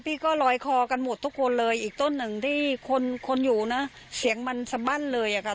พี่ก็ลอยคอกันหมดทุกคนเลยอีกต้นหนึ่งที่คนคนอยู่นะเสียงมันสบั้นเลยอะค่ะ